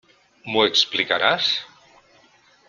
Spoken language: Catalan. M'ho explicaràs?